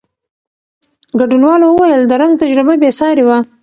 ګډونوالو وویل، د رنګ تجربه بېساري وه.